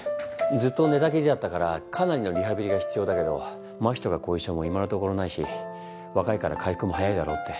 ずっと寝たきりだったからかなりのリハビリが必要だけどまひとか後遺症も今のところないし若いから回復も早いだろうって。